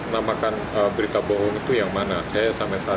saya bersama lawyer saya sudah menyiapkan